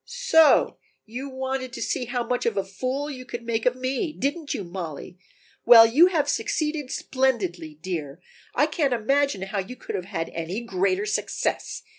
"So you wanted to see how much of a fool you could make of me, didn't you, Mollie? Well, you have succeeded splendidly, dear; I can't imagine how you could have had any greater success!"